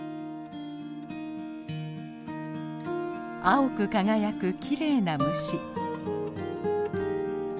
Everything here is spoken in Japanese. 青く輝くきれいな虫。